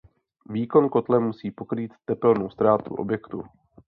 Výkon kotle musí pokrýt tepelnou ztrátu objektu.